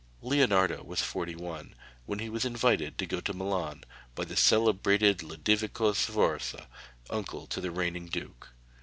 Leonardo was forty one when he was invited to go to Milan by the celebrated Lodovico Sforza, uncle to the reigning duke.